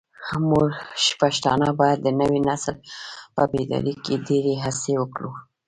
موږ پښتانه بايد د نوي نسل په بيداري کې ډيرې هڅې وکړو داسې